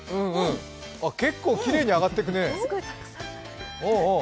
結構きれいに上がっていくね。